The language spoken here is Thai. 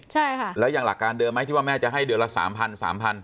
ใช่ค่ะแล้วอย่างหลักการเดิมไหมที่ว่าแม่จะให้เดือนละสามพันสามพัน